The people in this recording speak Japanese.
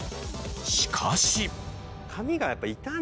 しかし。